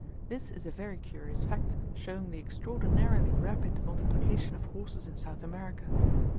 This is a very curious fact, showing the extraordinarily rapid multiplication of horses in South America.